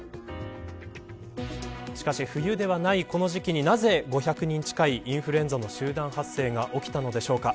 しかし、冬ではないこの時期になぜ５００人近いインフルエンザの集団発生が起きたのでしょうか。